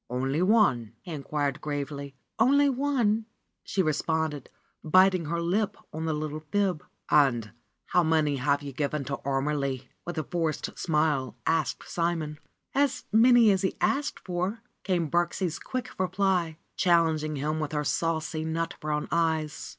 ^'Only one?" he inquired gravely. ^'Only one," she responded, biting her lip on the little fib. "And how many have you given to Ormelie?" with a forced smile asked Simon. 106 RENUNCIATION OF FRA SIMONETTA ^^As many as h e asked for came Birksie's quick reply, challenging him with her saucy nut brown eyes.